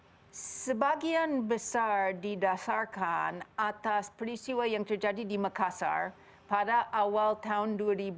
sebagian besar didasarkan atas peristiwa yang terjadi di makassar pada awal tahun dua ribu dua puluh